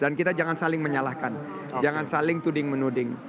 dan kita jangan saling menyalahkan jangan saling tuding menuding